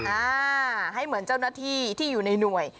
อ่าให้เหมือนเจ้าหน้าที่ที่อยู่ในหน่วย